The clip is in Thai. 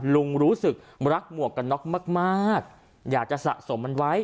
รู้สึกรักหมวกกันน็อกมากอยากจะสะสมมันไว้